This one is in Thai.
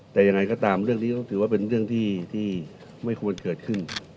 แต่ยังไงก็ตามเรื่องนี้ต้องถือว่าเป็นเรื่องที่ไม่ควรเกิดขึ้น